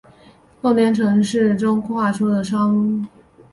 奉天城市中划出商埠地以供外国人经商居住。